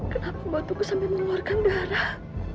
kenapa batuku sampai mengeluarkan darah